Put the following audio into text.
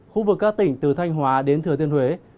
khu vực các tỉnh từ thanh hóa đến thừa tiên huế